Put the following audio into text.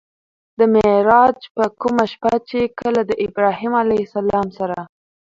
د معراج په کومه شپه چې کله د ابراهيم عليه السلام سره